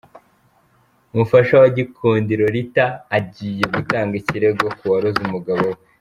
Umufasha wa Gikundiro Rita agiye gutanga ikirego k’uwaroze umugabo we